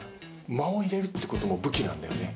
間を入れるって事も武器なんだよね。